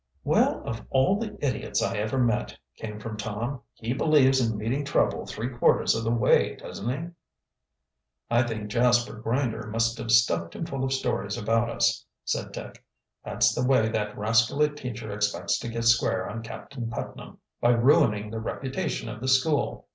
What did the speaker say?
"Well, of all the idiots I ever met!" came from Tom. "He believes in meeting trouble three quarters of the way, doesn't he?" "I think Jasper Grinder must have stuffed him full of stories about us," said Dick. "That's the way that rascally teacher expects to get square on Captain Putnam by ruining the reputation of the school."